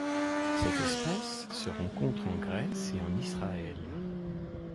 Cette espèce se rencontre en Grèce et en Israël.